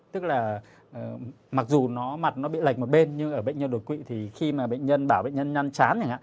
tức là mặc dù mặt nó bị lạch một bên nhưng ở bệnh nhân đột quỵ thì khi mà bệnh nhân bảo bệnh nhân nhăn chán